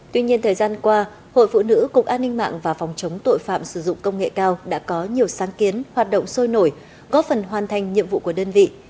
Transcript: tuy nhiên thời gian qua hội phụ nữ cục an ninh mạng và phòng chống tội phạm sử dụng công nghệ cao đã có nhiều sáng kiến hoạt động sôi nổi góp phần hoàn thành nhiệm vụ của đơn vị